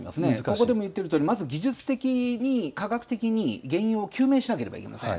ここでも言っているとおり、まず技術的に、科学的に原因を究明しなければいけません。